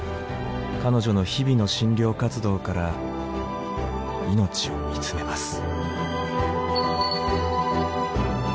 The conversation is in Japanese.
彼女の日々の診療活動から「命」を見つめます。